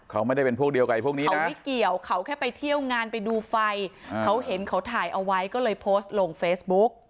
เขาไม่ได้เป็นพวกเดียวกับพวกนี้เขาไม่เกี่ยวเขาแค่ไปเที่ยวงานไปดูไฟเขาเห็นเขาถ่ายเอาไว้ก็เลยโพสต์ลงเฟซบุ๊ก